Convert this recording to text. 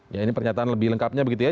ya ini pernyataan lebih lengkapnya begitu ya